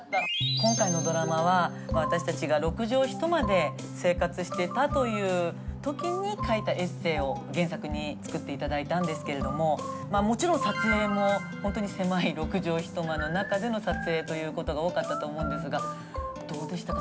今回のドラマは私たちが６畳一間で生活していたという時に書いたエッセイを原作に作って頂いたんですけれどももちろん撮影も本当に狭い６畳一間の中での撮影ということが多かったと思うんですがどうでしたか？